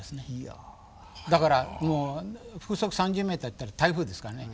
だからもう風速３０ｍっていったら台風ですからね。